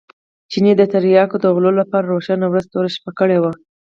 چیني د تریاکو د غلو لپاره روښانه ورځ توره شپه کړې وه.